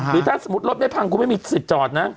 หรือถ้าสมมุติรถไม่พังคุณไม่มีสิทธิ์จอดนะ